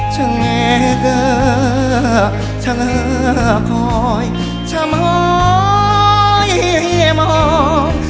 ช่างเหย่เกอร์ช่างเหย่คอยช่างไม่เหย่มอง